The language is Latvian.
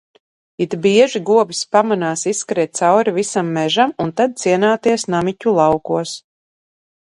It bieži govis pamanās izskriet cauri visam mežam, un tad cienāties Namiķu laukos.